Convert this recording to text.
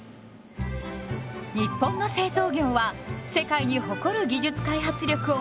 日本の製造業は世界に誇る技術開発力を持っています。